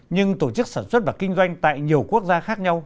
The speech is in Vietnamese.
nhưng tổ chức sản xuất và kinh doanh tại nhiều quốc gia khác nhau